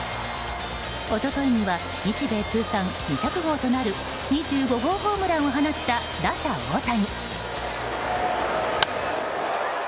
おとといには日米通算２００号となる２５号ホームランを放った打者・大谷。